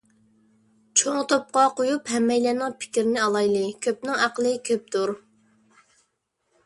چوڭ توپقا قويۇپ ھەممەيلەننىڭ پىكرىنى ئالايلى. كۆپنىڭ ئەقلى كۆپتۇر.